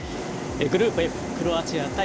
グループＦクロアチア対